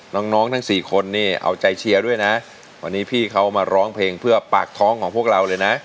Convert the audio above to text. น้องน้องทั้งสี่คนนี่เอาใจเชียร์ด้วยนะวันนี้พี่เขามาร้องเพลงเพื่อปากท้องของพวกเราเลยนะ